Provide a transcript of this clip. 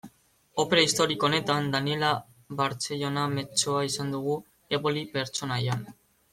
Opera historiko honetan, Daniella Barcellona mezzoa izango dugu, Eboli pertsonaian.